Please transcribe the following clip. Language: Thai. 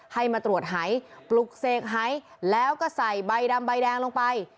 ให้มาตรวจหายปลุกเสกหายแล้วก็ใส่ใบดำใบแดงลงไป